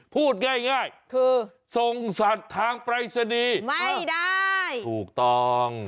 พูดง่ายคือส่งสัตว์ทางปรายศนีถูกต้องไม่ได้